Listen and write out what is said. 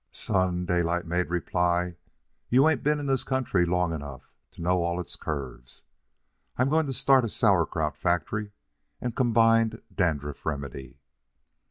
"Son," Daylight made reply, "you all ain't been in this country long enough to know all its curves. I'm going to start a sauerkraut factory and combined dandruff remedy."